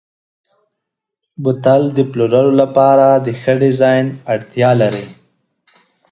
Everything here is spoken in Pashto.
بوتل د پلور لپاره د ښه ډیزاین اړتیا لري.